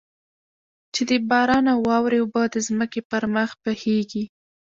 چې د باران او واورې اوبه د ځمکې پر مخ بهېږي.